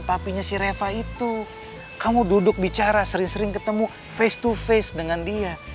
tapinya si reva itu kamu duduk bicara sering sering ketemu face to face dengan dia